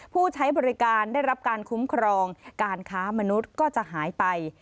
ผู้ใช้บริการได้รับการคุ้มครองการค้ามนุษย์ก็จะหายไป